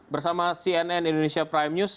bersama cnn indonesia prime news